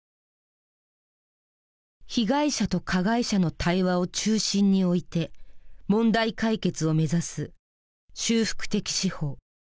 被害者と加害者の対話を中心に置いて問題解決を目指す修復的司法。